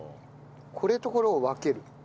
これとこれを分ける。